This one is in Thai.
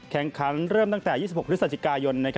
แข่งขันเริ่มตั้งแต่๒๖พฤศจิกายน